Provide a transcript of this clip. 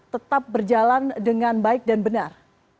tetap berjalan dengan baik dan benar